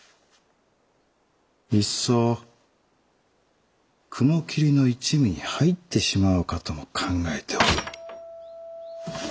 いっそ雲霧の一味に入ってしまおうかとも考えておる。